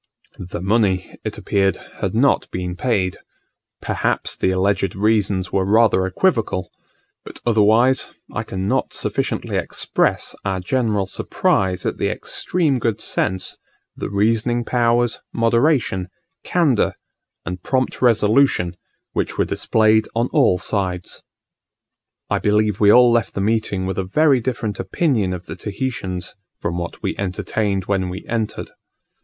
The money, it appeared, had not been paid; perhaps the alleged reasons were rather equivocal; but otherwise I cannot sufficiently express our general surprise at the extreme good sense, the reasoning powers, moderation, candour, and prompt resolution, which were displayed on all sides. I believe we all left the meeting with a very different opinion of the Tahitians, from what we entertained when we entered.